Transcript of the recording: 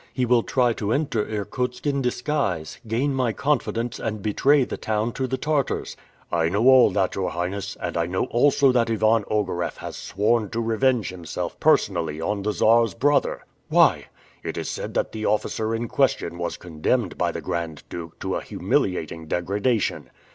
"He will try to enter Irkutsk in disguise; gain my confidence, and betray the town to the Tartars." "I know all that, your Highness, and I know also that Ivan Ogareff has sworn to revenge himself personally on the Czar's brother." "Why?" "It is said that the officer in question was condemned by the Grand Duke to a humiliating degradation."